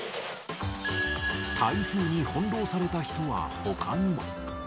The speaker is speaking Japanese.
台風に翻弄された人はほかにも。